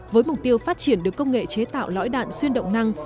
với mục tiêu phát triển được công nghệ chế tạo lõi đạn xuyên động năng